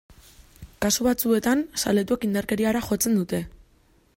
Kasu batzuetan, zaletuek indarkeriara jotzen dute.